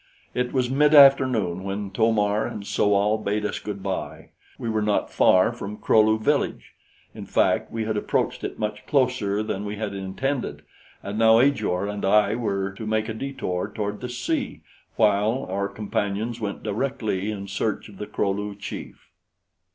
It was mid afternoon when To mar and So al bade us good bye. We were not far from Kro lu village; in fact, we had approached it much closer than we had intended, and now Ajor and I were to make a detour toward the sea while our companions went directly in search of the Kro lu chief.